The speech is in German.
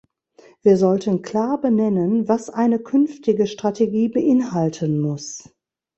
Wir sollten klar benennen, was eine künftige Strategie beinhalten muss.